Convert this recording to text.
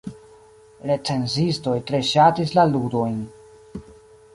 Recenzistoj tre ŝatis la ludojn.